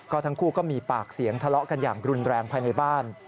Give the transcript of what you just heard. ทั้งคู่ก็มีปากเสียงทะเลาะกันอย่างรุนแรงภายในบ้าน